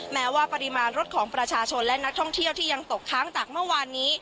แม้ว่าปริมาณรถของประชาชนและนักท่องเที่ยวที่ยังตกค้างจากเมื่อวานนี้